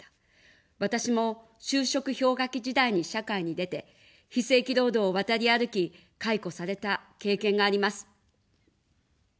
私も就職氷河期時代に社会に出て、非正規労働を渡り歩き、解雇された経験があります。